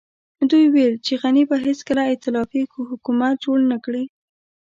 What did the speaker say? دوی ويل چې غني به هېڅکله ائتلافي حکومت جوړ نه کړي.